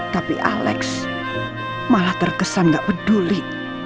tapi alex malah terkesan gak peduli